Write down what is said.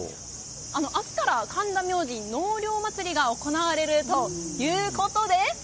明日から神田明神納涼祭りが行われるということで。